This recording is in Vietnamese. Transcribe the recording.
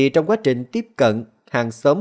trong quá trình tiếp cận hàng xóm